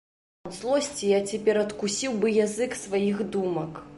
Ад злосці я цяпер адкусіў бы язык сваіх думак.